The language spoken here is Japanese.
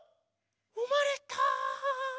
うまれた！